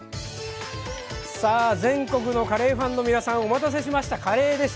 さあ全国のカレーファンの皆さんお待たせしましたカレーです。